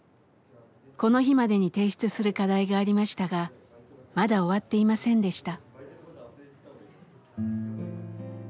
この日までに提出する課題がありましたがまだ終わっていませんでした。